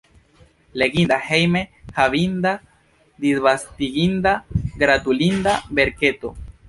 Leginda, hejme havinda, disvastiginda, gratulinda verketo.